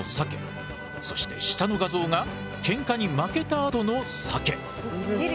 そして下の画像がケンカに負けたあとのサケ。